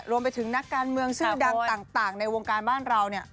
รวมไปถึงนักการเมืองชื่อดังต่างในวงการบ้านเราเนี่ย